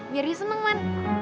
biar dia seneng man